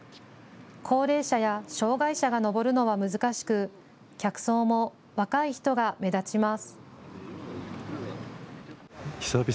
高齢者や障害者が上るのは難しく客層も若い人が目立ちます。